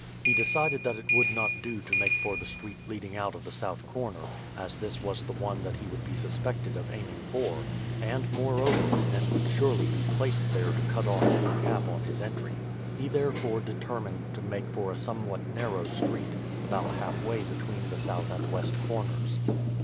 He decided that it would not do to make for the street leading out of the south corner, as this was the one that he would be suspected of aiming for; and, moreover, men would surely be placed there to cut off Blue Cap on his entry. He, therefore, determined to make for a somewhat narrow street, about halfway between the south and west corners.